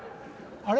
あれ？